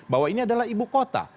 bahwa ini adalah ibu kota